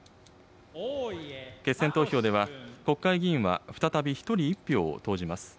決選投票では、国会議員は再び１人１票を投じます。